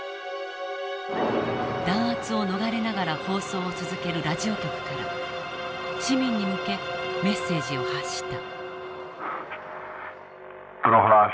弾圧を逃れながら放送を続けるラジオ局から市民に向けメッセージを発した。